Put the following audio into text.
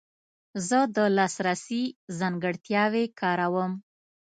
زه د لاسرسي ځانګړتیاوې کاروم.